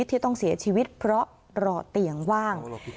ที่ต้องเสียชีวิตเพราะรอเตียงว่าง